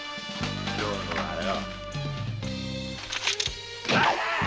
今日のはよ。